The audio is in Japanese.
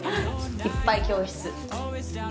いっぱい教室。